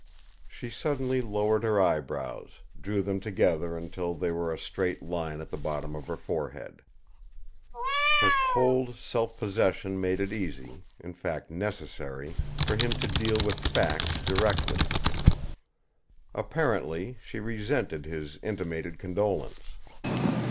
She suddenly lowered her eyebrows, drew them together until they were a straight line at the bottom of her forehead. Her cold self possession made it easy, in fact necessary, for him to deal with facts directly. Apparently, she resented his intimated condolence.